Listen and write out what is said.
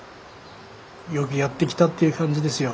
よくやってきたっていう感じですよ